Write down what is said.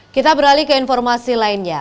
kita beralih ke informasi lainnya